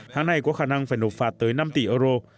hãng này có khả năng phải nộp phạt tới năm tỷ euro